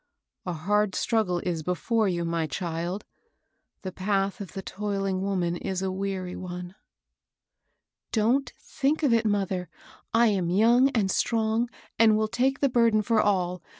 A hard struggle is before you, my child; the path of the toiling woman is a weary one." Don't think of it, mother. I am young and strong, and will take the burden for all.